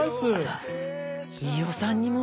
飯尾さんにも。